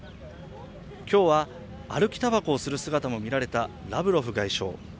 今日は歩きたばこをする姿も見られたラブロフ外相。